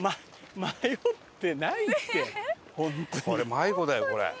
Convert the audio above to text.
迷子だよこれ。